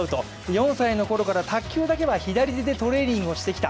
４歳のころから卓球だけは左手でトレーニングをしてきた。